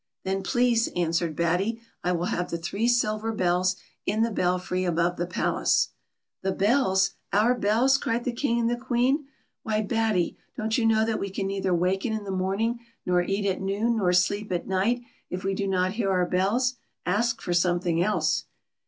" Then, please," answered Batty, '* I will have the three silver bells in the belfr\' above the palace." "The bells 1 our bells!" cried the King and the Queen; "why, Batty, don't you know that we can neither waken in the morning, nor eat at noon, nor sleep at night if we do not hear our bells 1 Ask for something else."